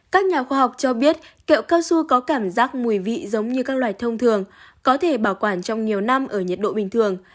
các nhà khoa học cho biết kẹo cao su có cảm giác mùi vị giống như các loài thông thường có thể bảo quản trong nhiều năm ở nhiệt độ bình thường